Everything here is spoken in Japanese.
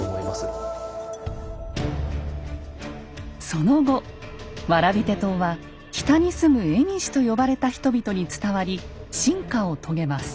その後蕨手刀は北に住む蝦夷と呼ばれた人々に伝わり進化を遂げます。